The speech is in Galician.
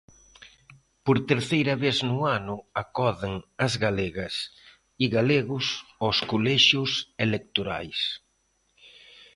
Por terceira vez no ano acoden as galegas e galegos aos colexios electorais.